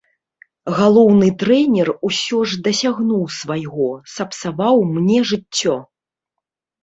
Галоўны трэнер усё ж дасягнуў свайго, сапсаваў мне жыццё.